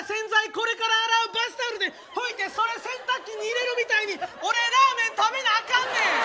これから洗うバスタオルで拭いてそれ洗濯機に入れるみたいに俺ラーメン食べなあかんねん！